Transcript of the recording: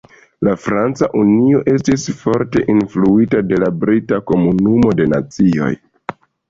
La Franca Unio estis forte influita de la brita Komunumo de Nacioj.